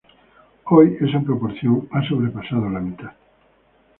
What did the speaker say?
Hoy esa proporción ha sobrepasado la mitad.